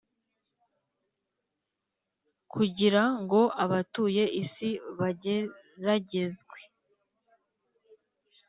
kugira ngo abatuye isi bageragezwe